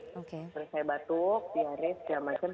terus saya batuk diaris dan sebagainya